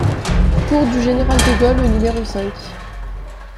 Cours du Général de Gaulle au numéro cinq